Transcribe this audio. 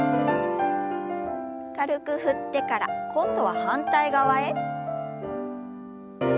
軽く振ってから今度は反対側へ。